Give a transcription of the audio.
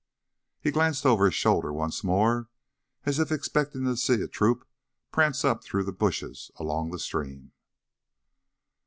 He glanced over his shoulder once more as if expecting to see a troop prance up through the bushes along the stream.